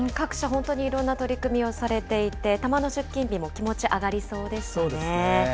本当にいろんな取り組みをされていて、たまの出勤日も気持ち上がりそうですね。